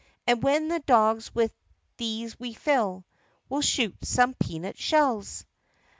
And when the dogs with these we fill We'll shoot some peanut shells!"